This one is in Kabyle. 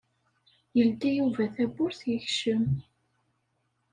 Yeldi Yuba tawwurt yekcem.